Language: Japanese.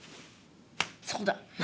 そうだ！